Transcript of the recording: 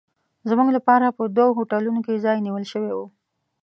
زموږ لپاره په دوو هوټلونو کې ځای نیول شوی و.